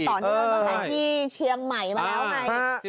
ตอนที่เชียงใหม่มาแล้วไหม